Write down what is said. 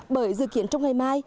bởi dự kiến trong ngày mai